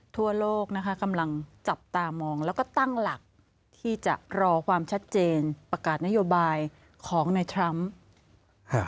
ทั่วโลกนะคะกำลังจับตามองแล้วก็ตั้งหลักที่จะรอความชัดเจนประกาศนโยบายของในทรัมป์